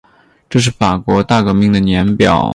这是法国大革命的年表